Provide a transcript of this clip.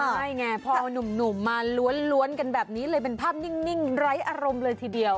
ใช่ไงพอหนุ่มมาล้วนกันแบบนี้เลยเป็นภาพนิ่งไร้อารมณ์เลยทีเดียว